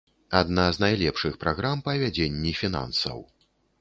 Адна з найлепшых праграм па вядзенні фінансаў.